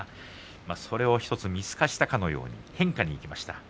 そこを見透かしたように変化にいきました。